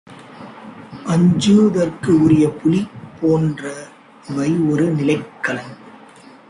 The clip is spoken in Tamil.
அஞ்சுதற்கு உரிய புலி போன்றவை ஒரு நிலைக்களன்.